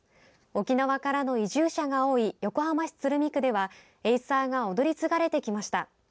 沖縄からの移住者が多い横浜市鶴見区ではエイサーが踊り継がれてきました。